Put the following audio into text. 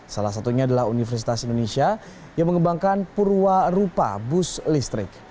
salah satunya adalah universitas indonesia yang mengembangkan purwa rupa bus listrik